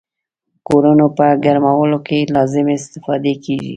کورونو په ګرمولو کې لازمې استفادې کیږي.